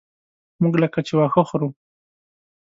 موږ لکه چې واښه خورو.